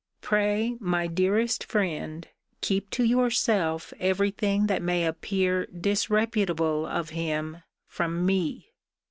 Pray, my dearest friend, keep to yourself every thing that may appear disreputable of him from me.